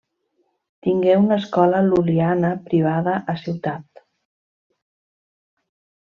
Tengué una escola lul·liana privada a Ciutat.